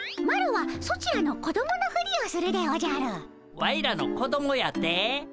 ワイらの子どもやて？